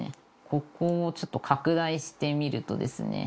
ここをちょっと拡大してみるとですね